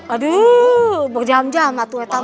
aduh berjam jam lah tuh etama